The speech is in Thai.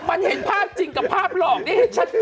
มันเห็นภาพจริงกับภาพหลอกได้ให้ชัดเจน